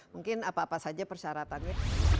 mungkin apa apa saja persyaratannya